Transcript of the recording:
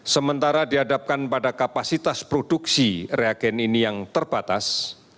sementara dihadapkan pada kapasitas produksi reagen ini yang terbatas